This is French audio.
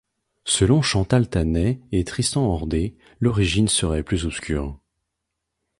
Selon Chantal Tanet et Tristan Hordé, l'origine serait plus obscure.